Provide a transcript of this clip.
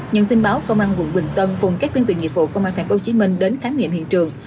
nhân tin báo công an quận bình tân cùng các tuyên truyền nghiệp vụ công an tp hcm đến khám nghiệm hiện trường